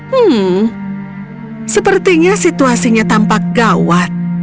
hmm sepertinya situasinya tampak gawat